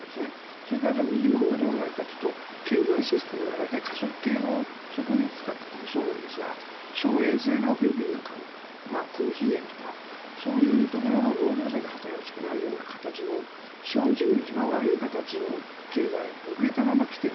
それから右のほうはどうなるかというと経済システムが過疎系の植民地だったからそうなんですがフィリピンなんかもコーヒー園とかそういうところの労働者で働くしかないような形の資本主義の一番悪い形の経済遅れたまま来ている。